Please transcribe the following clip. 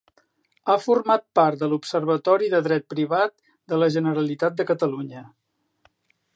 Ha format part de l'Observatori de Dret Privat de la Generalitat de Catalunya.